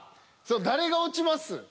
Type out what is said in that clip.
誰が落ちます？